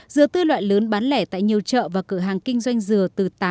dừa tươi loại lớn bán lẻ tại nhiều chợ và cửa hàng kinh doanh dừa